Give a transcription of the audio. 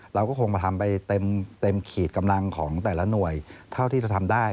เราก็คงมาทำไปเต็มขีดกำลังของแต่ละหน่วยเท่าที่จะทำได้